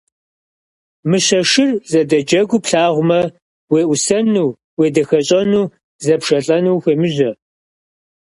Мыщэ шыр зэдэджэгуу плъагъумэ, уеӀусэну, уедэхащӀэу зэпшэлӀэну ухуемыжьэ.